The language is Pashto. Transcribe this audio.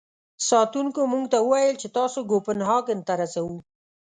ساتونکو موږ ته و ویل چې تاسو کوپنهاګن ته رسوو.